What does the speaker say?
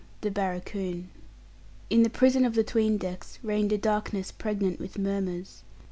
THE BARRACOON. In the prison of the 'tween decks reigned a darkness pregnant with murmurs.